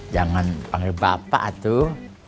jangan panggil bapak atuh